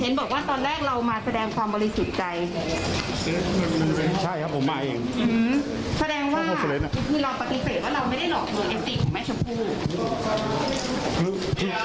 เห็นบอกว่าตอนแรกเรามาแสดงความบริสุทธิ์ใจ